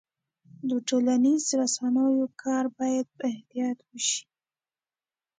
د ټولنیزو رسنیو کار باید په احتیاط وشي.